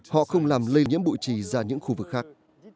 họ không làm lây nhiễm bụi trì ra những khu vực khác